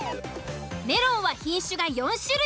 メロンは品種が４種類。